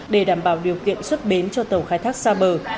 để đảm bảo điều kiện xuất bến cho tàu khai thác xa bờ